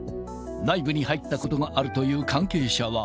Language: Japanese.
内部に入ったことがあるという関係者は。